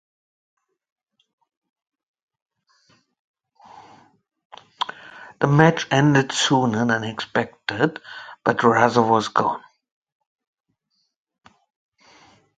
The match then ended sooner than expected but Rather was gone.